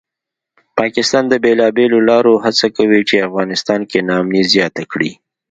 پاکستان د بېلابېلو لارو هڅه کوي چې افغانستان کې ناامني زیاته کړي